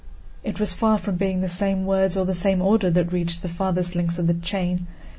It was far from being the same words or the same order that reached the farthest links of that chain.